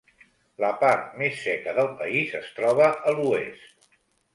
La part més seca del país es troba a l'oest.